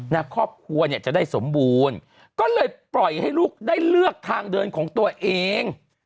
นะครอบครัวเนี่ยจะได้สมบูรณ์ก็เลยปล่อยให้ลูกได้เลือกทางเดินของตัวเอง